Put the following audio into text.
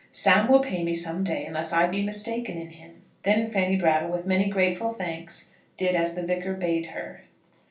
Sam will pay me some day, unless I be mistaken in him." Then Fanny Brattle with many grateful thanks did as the Vicar bade her.